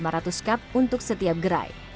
paling kecil dari seratus cup untuk setiap gerai